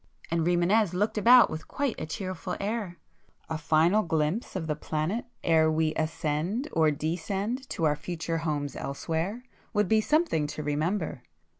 and Rimânez looked about with quite a cheerful air—"A final glimpse of the planet ere we ascend or descend to our future homes elsewhere, would be something to remember!